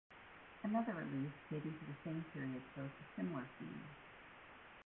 Another relief dating to the same period shows a similar scene.